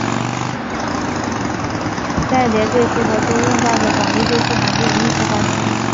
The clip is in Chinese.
迭代对数和中用到的广义对数函数有密切关系。